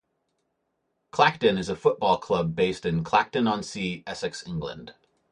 Clacton is a football club based in Clacton-on-Sea, Essex, England.